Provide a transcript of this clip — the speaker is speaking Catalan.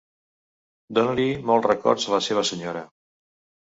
Doni-li molts records a la seva senyora!